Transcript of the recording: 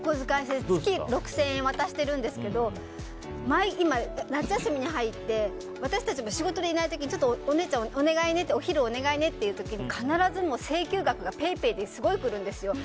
月６０００円渡してるんですけど夏休みに入って私たちが仕事でいない時にお姉ちゃんお昼お願いねっていう時に必ず請求額がＰａｙＰａｙですごい来るんですよ。